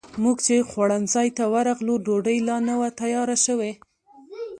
موږ چې خوړنځای ته ورغلو، ډوډۍ لا نه وه تیاره شوې.